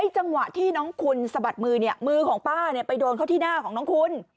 จังหวะที่น้องคุณสะบัดมือมือมือของป้าไปโดนเข้าที่หน้าของน้องคุณ